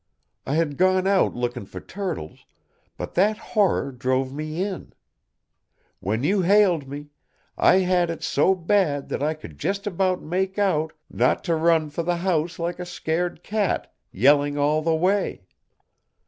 I had gone out looking for turtles, but that horror drove me in. When you hailed me, I had it so bad that I could just about make out not to run for the house like a scared cat, yelling all the way.